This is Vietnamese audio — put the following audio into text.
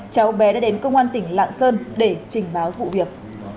cháu bé đã đến công an tỉnh lạng sơn để trình báo vụ việc